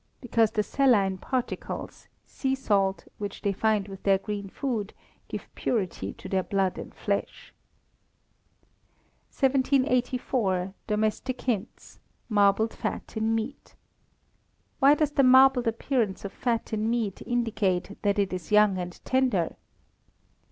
_ Because the saline particles (sea salt) which they find with their green food give purity to their blood and flesh. 1784. Domestic Hints (Marbled Fat in Meat). _Why does the marbled appearance of fat in meat indicate that it is young and tender?